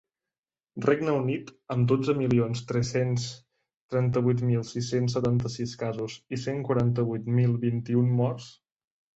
Regne Unit, amb dotze milions tres-cents trenta-vuit mil sis-cents setanta-sis casos i cent quaranta-vuit mil vint-i-un morts.